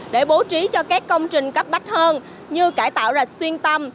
để bố trí cho các công trình cấp bách hơn như cải tạo rạch xuyên tâm